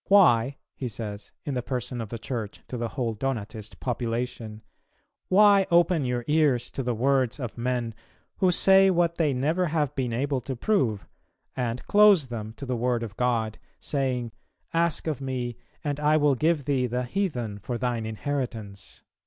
"Why," he says, in the person of the Church, to the whole Donatist population, "Why open your ears to the words of men, who say what they never have been able to prove, and close them to the word of God, saying, 'Ask of Me, and I will give Thee the heathen for Thine inheritance'?"